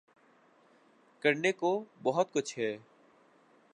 کرنے کو بہت کچھ ہے۔